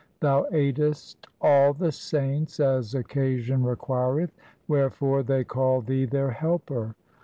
Thou aidest all the saints as occasion requireth ; Wherefore they call Thee their helper.